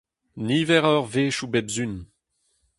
Niver a eurvezhioù bep sizhun.